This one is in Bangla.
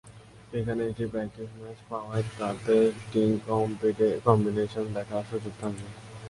এখানে একটা প্র্যাকটিস ম্যাচ পাওয়ায় তাতে টিম কম্বিনেশন দেখার সুযোগ থাকবে।